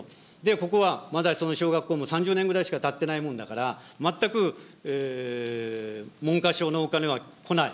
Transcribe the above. ここはまだその小学校も３０年ぐらいしかたってないもんだから、全く、文科省のお金は来ない。